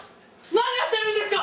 何やってるんですか！